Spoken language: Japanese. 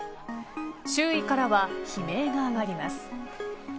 周囲からは悲鳴が上がります。